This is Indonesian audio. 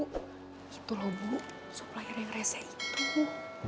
gitu loh bu supplier yang rese itu